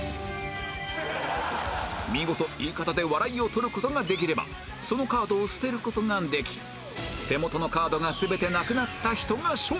見事言い方で笑いを取る事ができればそのカードを捨てる事ができ手元のカードが全てなくなった人が勝者